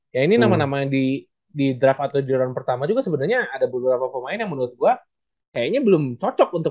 ya ini nama nama yang di draft atau di drone pertama juga sebenarnya ada beberapa pemain yang menurut gue kayaknya belum cocok untuk